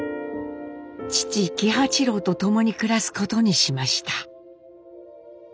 父喜八郎と共に暮らすことにしました。